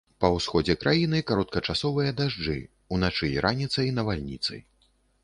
Па ўсходзе краіны кароткачасовыя дажджы, уначы і раніцай навальніцы.